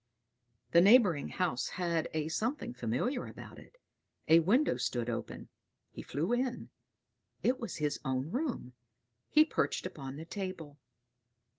The neighboring house had a something familiar about it; a window stood open; he flew in; it was his own room. He perched upon the table.